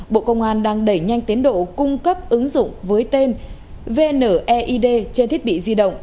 bộ công an đang đẩy nhanh tiến độ cung cấp ứng dụng với tên vneid trên thiết bị di động